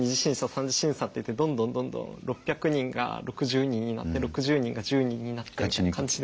３次審査っていってどんどんどんどん６００人が６０人になって６０人が１０人になってって感じで。